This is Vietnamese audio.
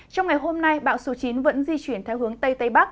trong ngày hôm nay bão số chín vẫn di chuyển theo hướng tây tây bắc